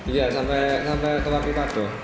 iya sampai kewakipaduh